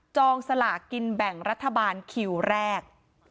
สลากินแบ่งรัฐบาลคิวแรก